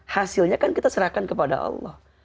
hasilnya kan kita serahkan kepada allah